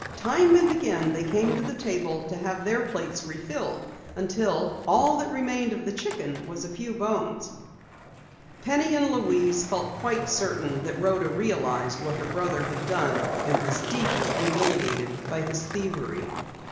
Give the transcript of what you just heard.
Time and again they came to the table to have their plates refilled, until all that remained of the chicken was a few bones. Penny and Louise felt quite certain that Rhoda realized what her brother had done and was deeply humiliated by his thievery.